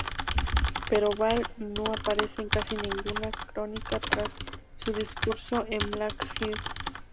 Pero Ball no aparece en casi ninguna crónica tras su discurso en Blackheath.